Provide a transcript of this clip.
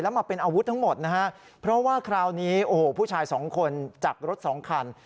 มาเป็นอาวุธทั้งหมดนะฮะเพราะว่าคราวนี้โอ้โหผู้ชายสองคนจากรถสองคัน